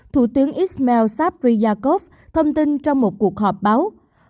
thủ tướng ismail sabri yaakov thông tin trong một cuộc họp báo